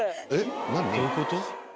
どういうこと？